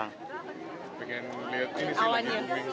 pengen lihat awannya